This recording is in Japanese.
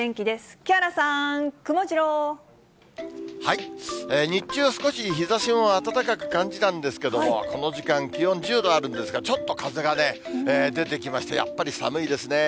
木原さん、日中、少し日ざしも暖かく感じたんですけども、この時間、気温１０度あるんですが、ちょっと風がね、出てきまして、やっぱり寒いですね。